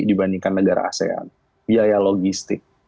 dibandingkan negara asean biaya logistik